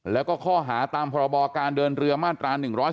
แล้วก็ข้อหาตามพรบการเดินเรือมาตรา๑๔